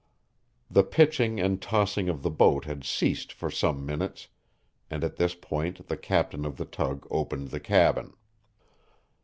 The pitching and tossing of the boat had ceased for some minutes, and at this point the captain of the tug opened the cabin.